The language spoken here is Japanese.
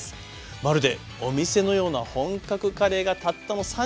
まるでお店のような本格カレーがたったの３５分。